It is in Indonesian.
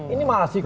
ini masih kok